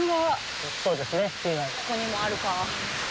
ここにもあるか。